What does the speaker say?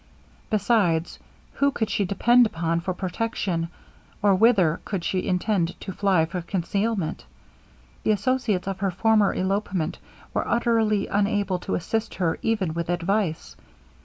Besides, who could she depend upon for protection or whither could she intend to fly for concealment? The associates of her former elopement were utterly unable to assist her even with advice.